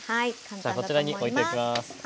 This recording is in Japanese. じゃこちらに置いておきます。